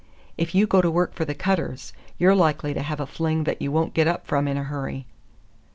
"If you go to work for the Cutters, you're likely to have a fling that you won't get up from in a hurry."